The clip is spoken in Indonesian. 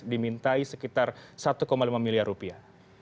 dimintai sekitar satu lima miliar rupiah